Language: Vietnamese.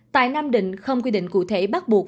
tại nam định không quy định cụ thể bắt buộc